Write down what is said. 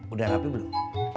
udah rapi belum